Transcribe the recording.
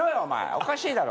おかしいだろ。